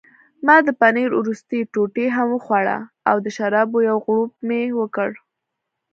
ما د پنیر وروستۍ ټوټه هم وخوړه او د شرابو یو غوړپ مې وکړ.